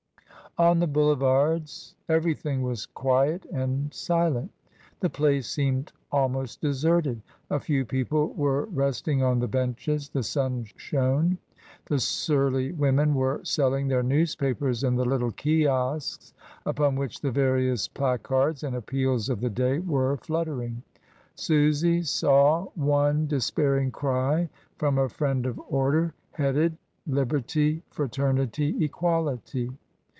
On the Boulevards everything was quiet and silent. The place seemed almost deserted; a few people were resting on the benches, the sim shone, the surly women were selling their newspapers in the little kiosks, upon which the various placards and appeals of the day were fluttering. Susy saw one despairing cry from a friend of order, headed — "Liberty, Fraternity, Equality.